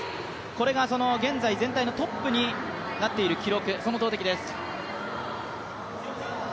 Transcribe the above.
これが現在全体のトップになっている記録、その投てきです。